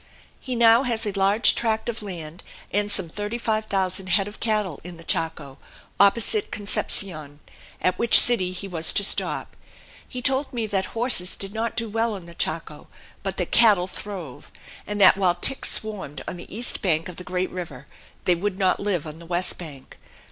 He now has a large tract of land and some thirty five thousand head of cattle in the Chaco, opposite Concepcion, at which city he was to stop. He told me that horses did not do well in the Chaco but that cattle throve, and that while ticks swarmed on the east bank of the great river, they would not live on the west bank.